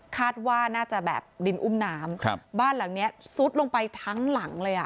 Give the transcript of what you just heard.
คาดว่าน่าจะแบบดินอุ้มน้ำครับบ้านหลังเนี้ยซุดลงไปทั้งหลังเลยอ่ะ